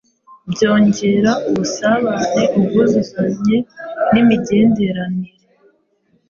byongera ubusabane, ubwuzuzanye n’imigenderanire.